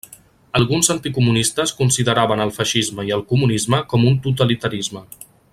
Alguns anticomunistes consideraven el feixisme i el comunisme com un totalitarisme.